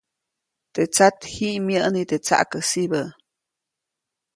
Teʼ tsat ji myäʼni teʼ tsaʼkäsibä.